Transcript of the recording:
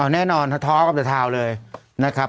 อ๋อแน่นอนทะท้อกับทะทาวเลยนะครับ